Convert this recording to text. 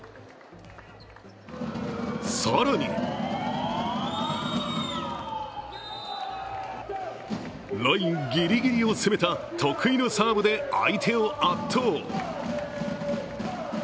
更にラインぎりぎりを攻めた得意のサーブで相手を圧倒。